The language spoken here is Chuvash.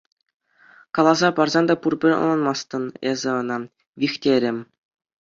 Каласа парсан та пурпӗр ӑнланмастӑн эсӗ ӑна, Вихтӗрӗм.